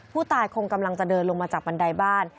ผู้ตายคงกำลังจะเดินลงมาจากบันไดบ้าน